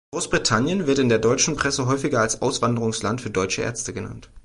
Großbritannien wird in der deutschen Presse häufig als Auswanderungsland für deutsche Ärzte genannt.